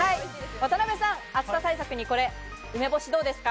渡邊さん、暑さ対策に梅干どうですか？